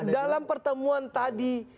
dalam pertemuan tadi